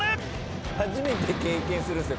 初めて経験するんですよ。